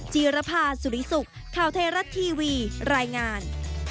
จีรภาสุริสุขข่าวไทยรัฐทีวีรายงาน